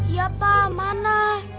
ya pak mana